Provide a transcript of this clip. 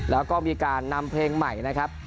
แล้วก็มีการนำเพลงใหม่